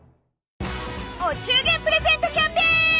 お中元プレゼントキャンペーン